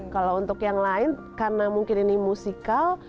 kalau untuk yang lain karena mungkin ini musikal